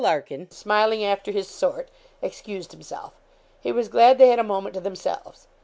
Larkin, smiling after his sort, excused himself. He was glad they had a moment to themselves.